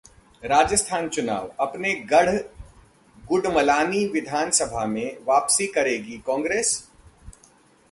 राजस्थान चुनाव: अपने गढ़ गुडमलानी विधानसभा में वापसी करेगी कांग्रेस?